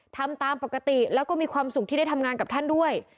ทำตามปกติแล้วก็มีความสุขที่ได้ทำงานกับท่านด้วย